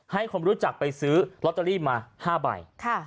ให้คนรู้จักไปซื้อลอตเตอรี่มา๕ใบ